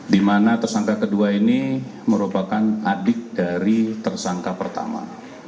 di mana tersangka kedua ini merupakan adik dari tersangka pertama